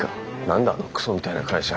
何だあのクソみたいな会社。